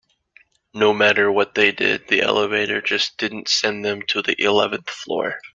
No matter what they did, the elevator just didn't send them to the eleventh floor.